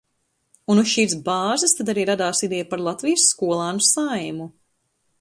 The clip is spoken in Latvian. Un uz šīs bāzes tad arī radās ideja par Latvijas Skolēnu Saeimu.